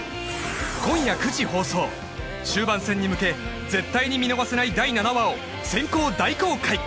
今夜９時放送終盤戦に向け絶対に見逃せない第７話を先行大公開